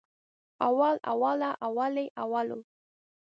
اول، اوله، اولې، اولو